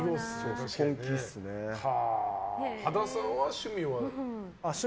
羽田さんは趣味は？